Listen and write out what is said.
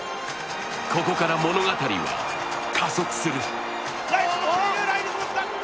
ここから物語は加速する。